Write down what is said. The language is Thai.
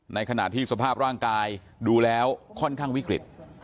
ในขณะที่สภาพร่างกายดูแล้วค่อนข้างวิกฤต